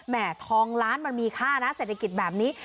ทองล้านมันมีค่านะเศรษฐกิจแบบนี้